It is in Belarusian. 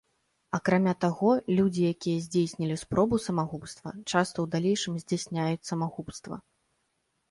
Акрамя таго, людзі, якія здзейснілі спробу самагубства, часта ў далейшым здзяйсняюць самагубства.